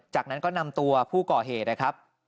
จากนั้นก็นำตัวผู้ก่อเหตุนะครับ